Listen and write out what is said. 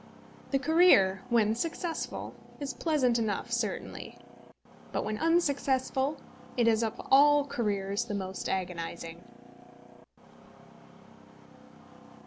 The career, when successful, is pleasant enough certainly; but when unsuccessful, it is of all careers the most agonising.